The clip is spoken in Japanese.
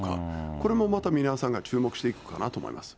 これもまた皆さんが注目していくかなと思います。